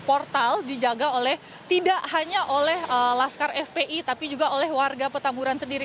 portal dijaga oleh tidak hanya oleh laskar fpi tapi juga oleh warga petamburan sendiri